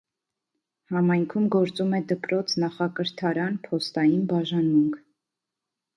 Համայնքում գործում է դպրոց, նախակրթարան, փոստային բաժանմունք։